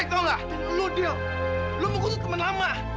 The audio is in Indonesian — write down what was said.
dan lo del lo mungkul tuh temen lama